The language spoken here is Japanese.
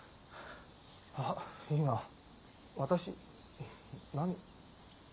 あ今私何。